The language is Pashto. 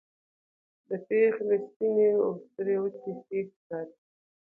د پېغلې سپينې او سرې وڅې ښې ښکاري